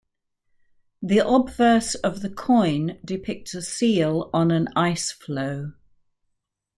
The obverse of the coin depicts a seal on an ice floe.